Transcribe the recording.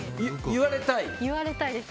言われたいです。